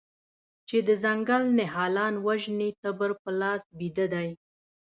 چې د ځنګل نهالان وژني تبر په لاس بیده دی